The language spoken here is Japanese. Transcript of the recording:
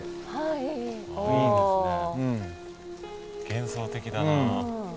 幻想的だなあ。